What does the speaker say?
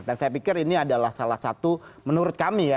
dan saya pikir ini adalah salah satu menurut kami ya